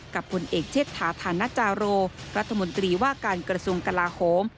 ผลเอกเชษฐาธานจาโรรัฐมนตรีว่าการกระทรวงกลาโฮม